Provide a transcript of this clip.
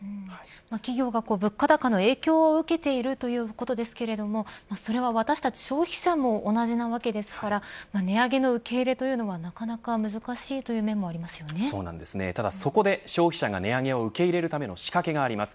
企業が物価高の影響を受けているということですけれどもそれは、私たち消費者も同じなわけですから値上げの受け入れというのはなかなか難しいという面もただ、そこで消費者が値上げを受け入れための仕掛けがあります。